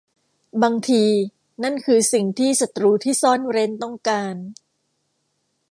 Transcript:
บางที นั่นคือสิ่งที่ศ้ตรูที่ซ่อนเร้นต้องการ